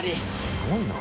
すごいな。